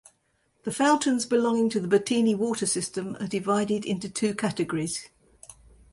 The fountains belonging to the Bottini water system are divided into two categories.